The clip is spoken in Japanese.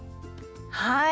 はい。